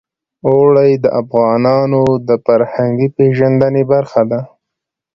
اوړي د افغانانو د فرهنګي پیژندنې برخه ده.